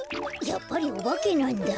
やっぱりオバケなんだ。